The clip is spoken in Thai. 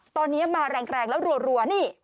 ตอนนี้มาแรงแล้วรัวนี่